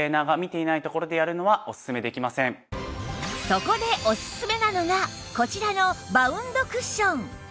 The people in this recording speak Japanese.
そこでおすすめなのがこちらのバウンドクッション